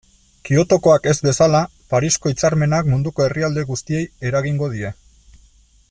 Kyotokoak ez bezala, Parisko hitzarmenak munduko herrialde guztiei eragingo die.